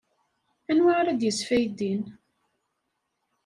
Anwa ara d-yesfaydin?